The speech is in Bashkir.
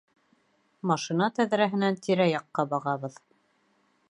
Машина тәҙрәһенән тирә-яҡҡа бағабыҙ.